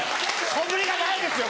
そぶりがないですよ